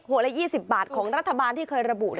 ละ๒๐บาทของรัฐบาลที่เคยระบุ